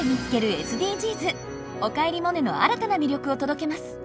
「おかえりモネ」の新たな魅力を届けます。